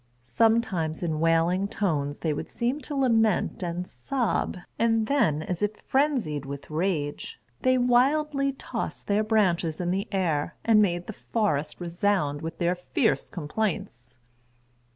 Sometimes in wailing tones they would seem to lament and sob, and then, as if frenzied with rage, they wildly tossed their branches in the air, and made the forest resound with their fierce complaints.